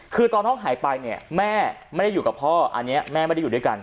คือตอนน้องหายไปเนี่ยแม่ไม่ได้อยู่กับพ่ออันนี้แม่ไม่ได้อยู่ด้วยกัน